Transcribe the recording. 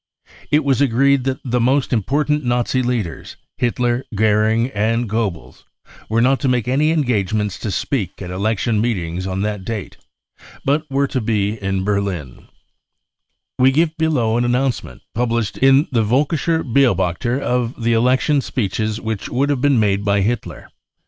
It was agreed that the most important Nazi leaders — Plitler, Goering and Goebbels — were not to make any engagements to speak at election meetings on that date, but were to be in Berlin, We give below an announcement published in the Volkischer Beobachter of the election speeches which would be made by Hitler.